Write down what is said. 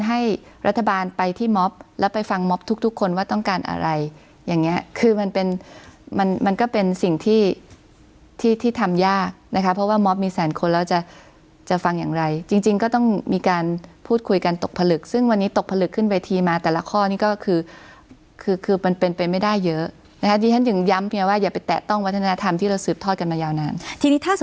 อะไรที่มอบแล้วไปฟังมอบทุกคนว่าต้องการอะไรอย่างนี้คือมันเป็นมันมันก็เป็นสิ่งที่ที่ที่ทำยากนะคะเพราะว่ามอบมีแสนคนแล้วจะจะฟังอย่างไรจริงก็ต้องมีการพูดคุยกันตกผลึกซึ่งวันนี้ตกผลึกขึ้นวิธีมาแต่ละข้อนี้ก็คือคือคือคือมันเป็นไปไม่ได้เยอะและที่ฉันถึงย้ำเพียงว่าอย่าไปแตะต้องวัฒ